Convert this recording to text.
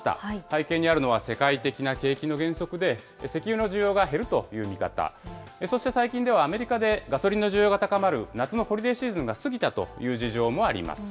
背景にあるのは、世界的な景気の減速で、石油の需要が減るという見方、そして最近では、アメリカでガソリンの需要が高まる夏のホリデーシーズンが過ぎたという事情もあります。